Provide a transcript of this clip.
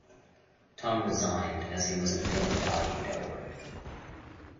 Tom resigned, as he wasn't feeling valued at work.